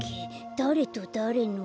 だれとだれの。